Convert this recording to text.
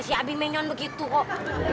si abi menyon begitu kok